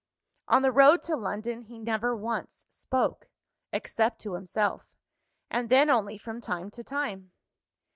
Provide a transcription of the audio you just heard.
On the road to London, he never once spoke except to himself and then only from time to time.